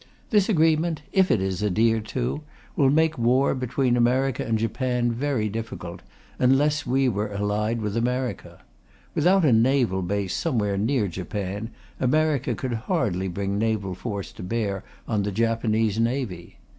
This agreement, if it is adhered to, will make war between America and Japan very difficult, unless we were allied with America. Without a naval base somewhere near Japan, America could hardly bring naval force to bear on the Japanese Navy.